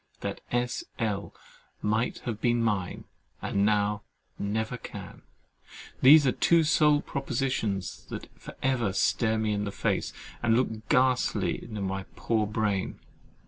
THAT S. L. MIGHT HAVE BEEN MINE, AND NOW NEVER CAN—these are the two sole propositions that for ever stare me in the face, and look ghastly in at my poor brain.